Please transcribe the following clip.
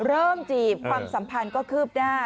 จีบความสัมพันธ์ก็คืบหน้า